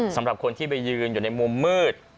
สำหรับคนที่ไปยืนอยู่ในมุมมืด